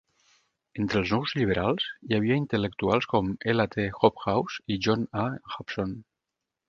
Entre els Nous Lliberals hi havia intel·lectuals com L. T. Hobhouse i John A. Hobson.